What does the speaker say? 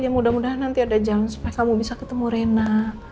ya mudah mudahan nanti ada jalan supaya kamu bisa ketemu rena